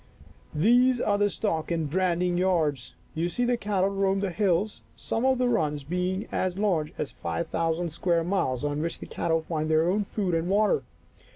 " These are the stock and branding yards. You see the cattle roam the hills, some of the runs being as large as five thousand square miles, on which the cattle find their own food and water."